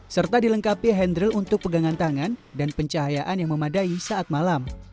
serta dilengkapi handral untuk pegangan tangan dan pencahayaan yang memadai saat malam